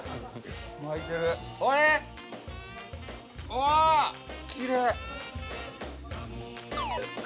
うわっきれい。